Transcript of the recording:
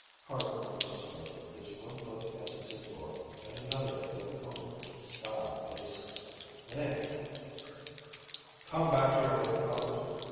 "Hardenberg and Strokher gives one look at the Sigñor and another at their own spiled faces, then: "'Come back here with the boat!'